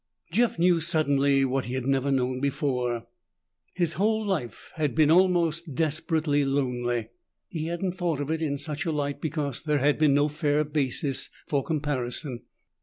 Jeff knew suddenly what he had never known before, his whole life had been almost desperately lonely. He hadn't thought of it in such a light because there had been no fair basis for comparison.